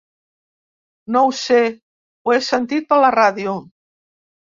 No ho sé, ho he sentit per la ràdio.